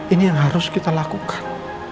ini yang harus kita lakukan